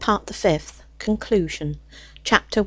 PART THE FIFTH: CONCLUSION CHAPTER I.